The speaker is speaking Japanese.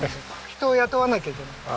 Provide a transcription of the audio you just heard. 人を雇わなきゃいけない。